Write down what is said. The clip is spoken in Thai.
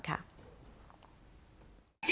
อุ๊ยความบริสุทธิ์ใจ